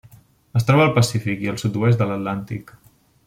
Es troba al Pacífic i el sud-oest de l'Atlàntic.